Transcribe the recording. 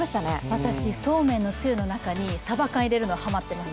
私、そうめんのつゆの中にさば缶入れるのハマってます。